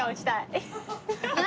何？